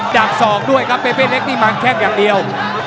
อกศอกด้วยครับเบเป้เล็กนี่มาแข้งอย่างเดียว